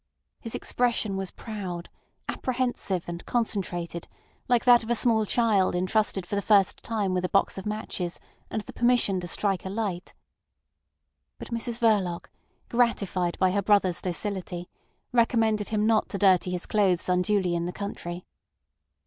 His expression was proud, apprehensive, and concentrated, like that of a small child entrusted for the first time with a box of matches and the permission to strike a light. But Mrs Verloc, gratified by her brother's docility, recommended him not to dirty his clothes unduly in the country.